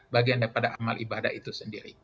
bagian daripada amal ibadah itu sendiri